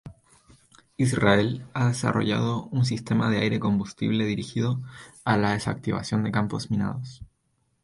Israel ha desarrollado un sistema aire-combustible dirigido a la desactivación de campos minados.